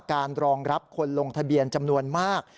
รองรับคนลงทะเบียนจำนวนมาก